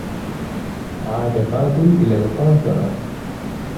عاد فاضل إلى القاهرة.